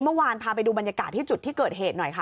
พาไปดูบรรยากาศที่จุดที่เกิดเหตุหน่อยค่ะ